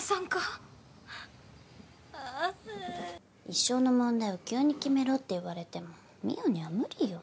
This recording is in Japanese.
一生の問題を急に決めろって言われても澪には無理よ。